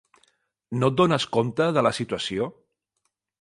No et dones compte de la situació?